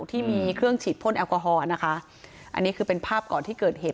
ที่มีเครื่องฉีดพ่นแอลกอฮอล์นะคะอันนี้คือเป็นภาพก่อนที่เกิดเหตุ